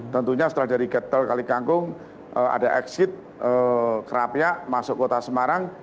tentunya setelah dari tol kalikangkung ada exit kerapia masuk kota semarang